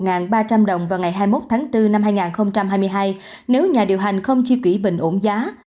giá dầu diesel có thể tăng khoảng một ba trăm linh đồng vào ngày hai mươi một tháng bốn năm hai nghìn hai mươi hai nếu nhà điều hành không chi quỷ bình ổn giá